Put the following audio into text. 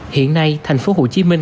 hiện nay thành phố hồ chí minh